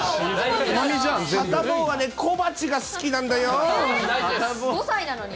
サタボーはね、小鉢が好きなんだ５歳なのに？